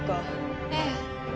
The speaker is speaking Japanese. ええ。